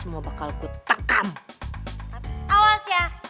mbak mbak mbak